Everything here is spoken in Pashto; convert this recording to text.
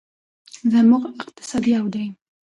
زموږ اقتصاد یو دی.